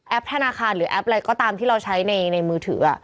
ธนาคารหรือแอปอะไรก็ตามที่เราใช้ในมือถือ